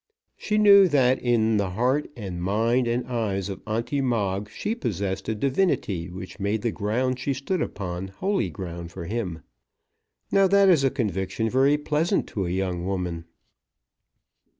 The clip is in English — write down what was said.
She knew that in the heart, and mind, and eyes of Onty Moggs she possessed a divinity which made the ground she stood upon holy ground for him. Now that is a conviction very pleasant to a young woman.